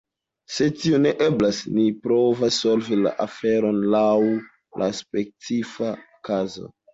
Se tio ne eblas, ni provas solvi la aferon laŭ la specifa kazo.